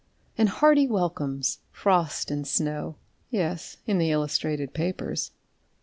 _) And hearty welcomes, frost and snow; (_Yes, in the illustrated papers.